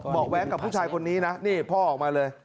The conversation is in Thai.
แว้งกับผู้ชายคนนี้นะนี่พ่อออกมาเลย